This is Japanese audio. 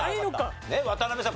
渡辺さん